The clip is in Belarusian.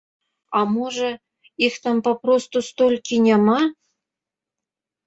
А можа, іх там папросту столькі няма?